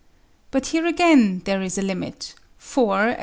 But here again there is a limit, for, as Pro Pkola.